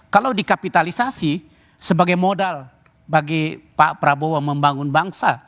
kalau dikapitalisasi sebagai modal bagi pak prabowo membangun bangsa